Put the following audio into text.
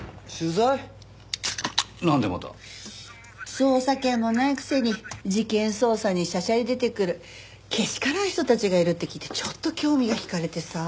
捜査権もないくせに事件捜査にしゃしゃり出てくるけしからん人たちがいるって聞いてちょっと興味が引かれてさ。